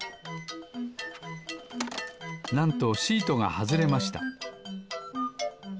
なんとシートがはずれました。